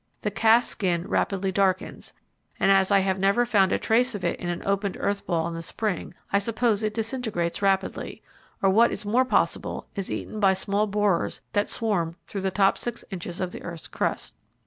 The cast skin rapidly darkens, and as I never have found a trace of it in an opened earth ball in the spring, I suppose it disintegrates rapidly, or what is more possible, is eaten by small borers that swarm through the top six inches of the earth's crust.